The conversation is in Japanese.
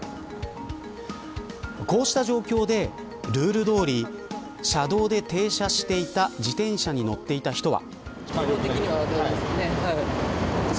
こうした状況でルールどおり、車道で停車していた自転車に乗っていた人は。